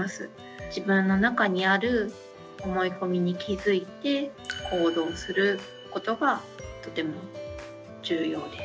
自分の中にある思い込みに気付いて行動することがとても重要です。